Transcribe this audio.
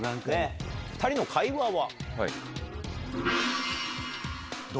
２人の会話は？